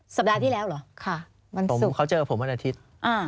สัปดาห์ที่แล้วเหรอคะวันศุกร์อ่าวันศุกร์ค่ะเขาเจอกับผมวันอาทิตย์